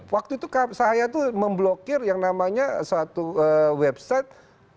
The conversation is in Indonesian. waktu itu saya tuh memblokir yang namanya suatu website